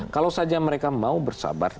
kalau saja mereka mau bersabar